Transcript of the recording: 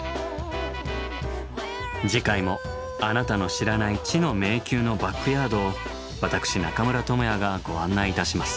次回もあなたの知らない「知の迷宮のバックヤード」を私中村倫也がご案内いたします。